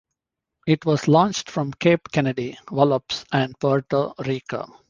It was launched from Cape Kennedy, Wallops, and Puerto Rico.